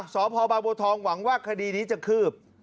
สพบางบัวทองหวังว่าคดีนี้จะคืบ